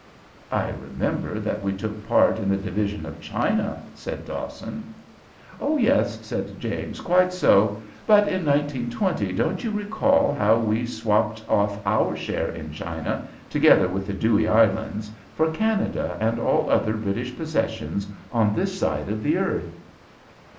"I remember that we took part in the division of China," said Dawson. "Oh yes," said James, "quite so. But in 1920 don't you recall how we swapped off our share in China, together with the Dewey Islands, for Canada and all other British possessions on this side of the earth?"